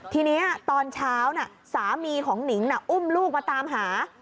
ทีนี้ตอนเช้าสามีของหนิงน่ะอุ้มลูกมาตามหา